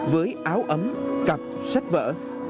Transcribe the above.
với áo ấm cặp sách vỡ